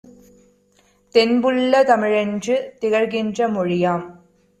தென்புள்ள தமிழென்று திகழ்கின்ற மொழியாம்.